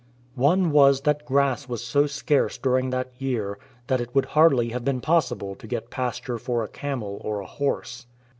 One was that grass was so scarce during that year that it would hardly have been possible to get pasture for a camel or a horse.